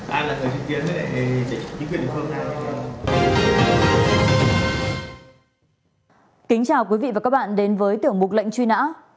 kính chào quý vị và các bạn đến với tiểu mục lệnh truy nã